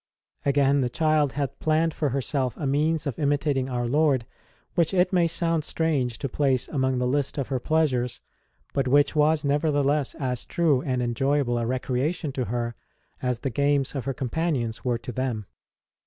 Again, the child had planned for herself a means of imitating Our Lord which it may sound strange to place among the list of her pleasures, but which was, nevertheless, as true and enjoyable a recrea tion to her as the games of her companions were to them.